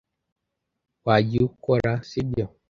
Wagiye ukora, sibyo?